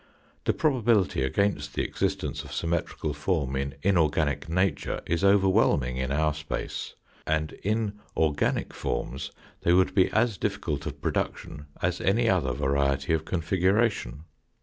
The probability against the existence of symmetrical form in inorganic nature is overwhelming in our space, and in organic forms they would be as difficult of produc tion as any other variety of configuration.